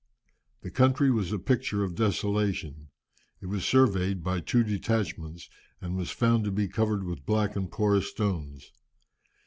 "The country was a picture of desolation. It was surveyed by two detachments, and was found to be covered with black and porous stones.